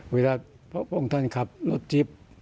เวลาพระองค์ท่านขับรถจิ๊บมากกว่า